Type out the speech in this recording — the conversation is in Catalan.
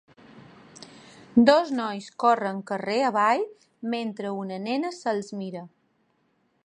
Dos nois corren carrer avall mentre una nena se'ls mira.